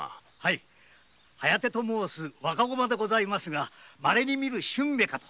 疾風と申す若駒ですがまれに見る駿馬かと。